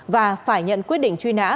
và phải nhận quyết định truy nã